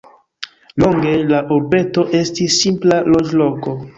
Longe la urbeto estis simpla loĝloko.